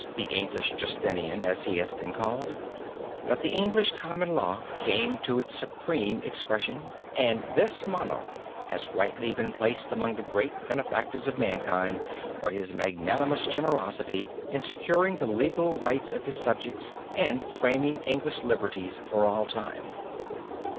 the English Justinian as he has been called, that the English Common Law came to its supreme expression, and this monarch has rightly been placed among the great benefactors of mankind for his magnanimous generosity in securing the legal rights of his subjects and framing English liberties for all time.